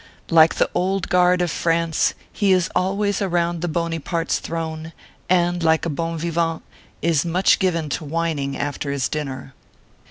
Like the Old Guard of France, he s always around the bony parts thrown ; and, like a bon vivant, is much given to whining after his dinner.